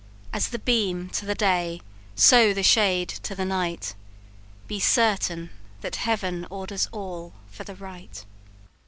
As the beam to the day, so the shade to the night Be certain that Heaven orders all for the right."